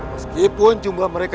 meskipun jumlah mereka